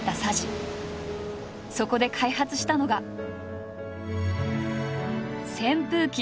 そこで開発したのが扇風機。